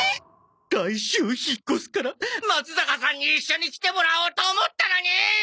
来週引っ越すからまつざかさんに一緒に来てもらおうと思ったのにい！